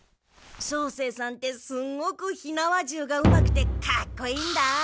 照星さんってすんごく火縄銃がうまくてかっこいいんだ。